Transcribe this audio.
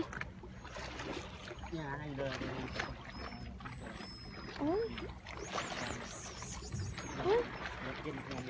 ดูเหมือนมันจะไล่กับท้องเรือเลยนะครับ